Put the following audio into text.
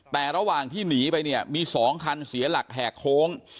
แต่ระหว่างที่หนีไปเนี่ยมี๒คันเสียหลักแหกโค้ง